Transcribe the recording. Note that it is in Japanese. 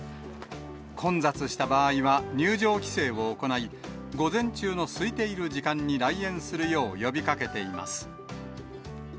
混雑した場合は入場規制を行い、午前中のすいている時間に来園するよう呼びかけています。